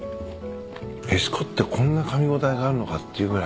へしこってこんなかみ応えがあるのかっていうぐらい。